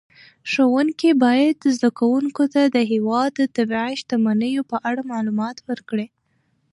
ښوونکي باید زده کوونکو ته د هېواد د طبیعي شتمنیو په اړه معلومات ورکړي.